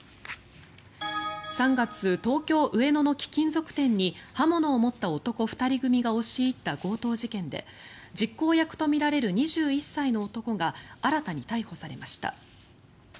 ３月、東京・上野の貴金属店に刃物を持った男２人組が押し入った強盗事件で実行役とみられる２１歳の男が新たに逮捕されました。